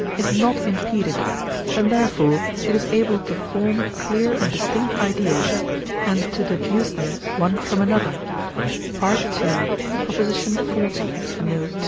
is not impeded, and therefore it is able to form clear and distinct ideas and to deduce them one from another (II. xl. note.